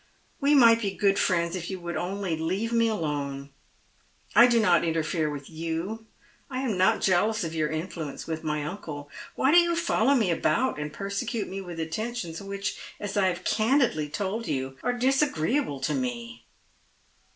" We might be good friends if you would only leave me alone. I do not interfere with you. 1 am not jealous of your influence with my uncle. Why do you follow me about and persecute me with attentions which, as I have candidly told you, are disagreeable to me